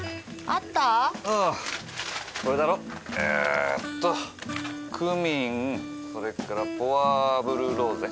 あぁこれだろ？えーっとクミンそれからポアブルローゼ。